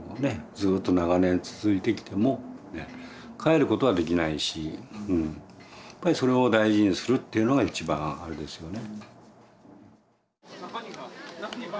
ずっと長年続いてきても変えることはできないしやっぱりそれを大事にするっていうのが一番あれですよね。